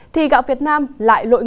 thì gạo việt nam lại lội ngộ